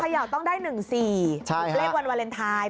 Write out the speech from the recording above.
ยาวต้องได้๑๔เลขวันวาเลนไทย